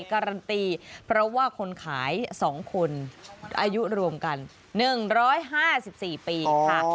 การันตีเพราะว่าคนขาย๒คนอายุรวมกัน๑๕๔ปีค่ะ